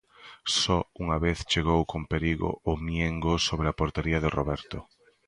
Só unha vez chegou con perigo o Miengo sobre a portería de Roberto.